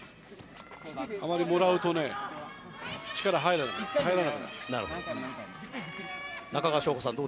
あまりもらうと力入らなくなっちゃう。